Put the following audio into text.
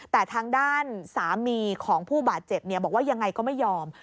แต่ทางด้านสามีของผู้บาดเจ็บบอกว่ายังไงก็ไม่ยอม